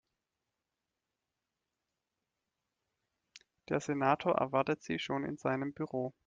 Der Senator erwartet Sie schon in seinem Büro.